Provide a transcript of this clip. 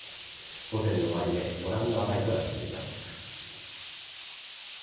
午前の終値、ご覧の値となっています。